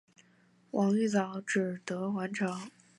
王玉藻只得还朝。